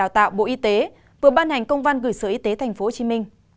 tạo bộ y tế vừa ban hành công văn gửi sở y tế tp hcm